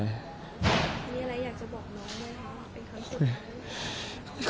มีอะไรอยากจะบอกน้องด้วยครับเป็นความคุ้มใจ